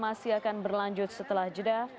masih akan berlanjut setelah jeda